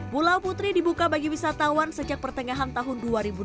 pulau putri dibuka bagi wisatawan sejak pertengahan tahun dua ribu dua puluh